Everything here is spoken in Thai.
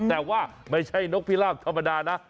แต่ว่าไม่ใช่นกพิราบธรรมดานะ